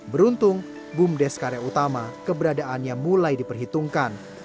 beruntung bumdes karya utama keberadaannya mulai diperhitungkan